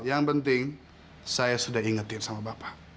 yang penting saya sudah ingetin sama bapak